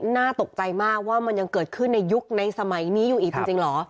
น่าตกใจมากว่ามันยังเกิดขึ้นในยุคในสมัยนี้อยู่อีกจริงเหรอ